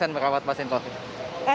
tentunya banyak hal yang harus kami lakukan